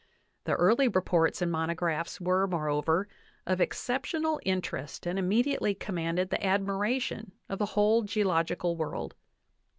The early reports and mono graphs were, moreover, .of exceptional interest and immedi ately commanded the admiration of the whole geological world.